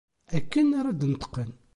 Akken ara d-neṭqen.